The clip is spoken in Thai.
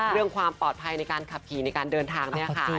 เรื่องความปลอดภัยในการขับขี่ในการเดินทางเนี่ยค่ะ